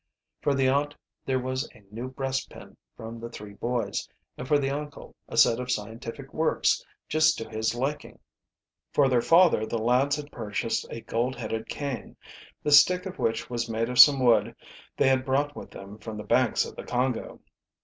For the aunt there was a new breastpin from the three boys, and for the uncle a set of scientific works just to his liking. For their father the lads had purchased a gold headed cane, the stick of which was made of some wood they had brought with them from the banks of the Congo.